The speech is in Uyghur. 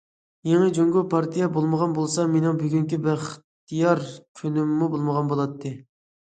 يېڭى جۇڭگو، پارتىيە بولمىغان بولسا مېنىڭ بۈگۈنكى بەختىيار كۈنۈممۇ بولمىغان بولاتتى.